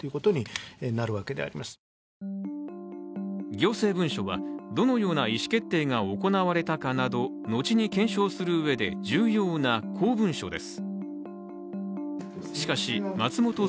行政文書は、どのような意思決定が行われたかなど後に検証するうえで重要な公文書です。